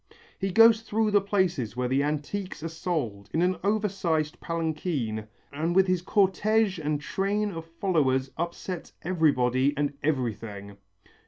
He goes through the places where the antiques are sold in an over sized palanquin and with his cortège and train of followers upsets everybody and everything.